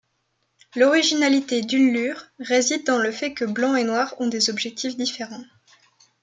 L'originalité d'Unlur réside dans le fait que blanc et noir ont des objectifs différents.